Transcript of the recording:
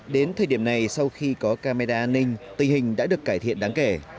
đến thời điểm này sau khi có camera an ninh tình hình đã được cải thiện đáng kể